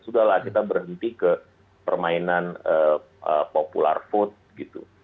sudahlah kita berhenti ke permainan popular food gitu